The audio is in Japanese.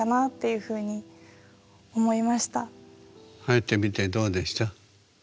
入ってみてどうでした？